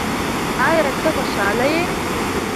ایا ته خوشاله یې؟